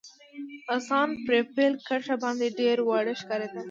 اسان پر پیل کرښه باندي ډېر واړه ښکارېدل.